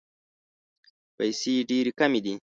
پیسې ډېري کمي دي.